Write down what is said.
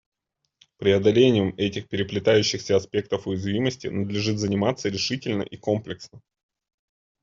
Преодолением этих переплетающихся аспектов уязвимости надлежит заниматься решительно и комплексно.